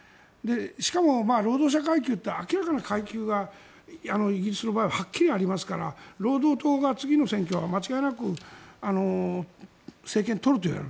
しかも、労働者階級って明らかな階級がイギリスの場合ははっきりありますから労働党が次の選挙は間違いなく政権を取るといわれてる。